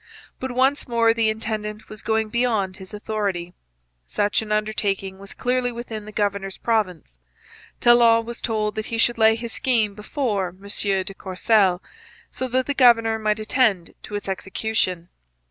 But once more the intendant was going beyond his authority. Such an undertaking was clearly within the governor's province. Talon was told that he should lay his scheme before M. de Courcelle, so that the governor might attend to its execution.